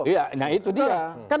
iya nah itu dia